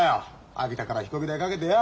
秋田から飛行機代かけてよ。